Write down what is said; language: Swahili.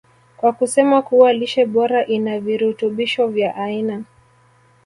kwa kusema kuwa lishe bora ina virutubisho vya aina